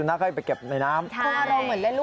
ไม่เหมีเหมือน